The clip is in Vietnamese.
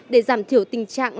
để giảm thiểu tình trạng